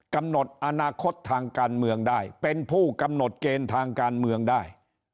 กำหนดอนาคตทางการเมืองได้เป็นผู้กำหนดเกณฑ์ทางการเมืองได้